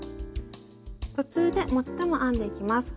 途中で持ち手も編んでいきます。